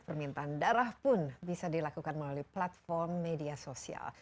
permintaan darah pun bisa dilakukan melalui platform media sosial